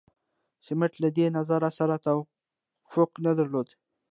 سمیت له دې نظر سره توافق نه درلود.